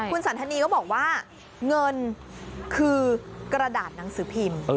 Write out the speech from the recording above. คุณสันทนีก็บอกว่าเงินคือกระดาษหนังสือพิมพ์